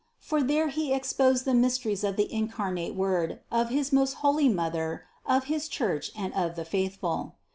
For there he exposed the mysteries of the incarnate Word, of his most holy Mother, of his Church and of the faithful.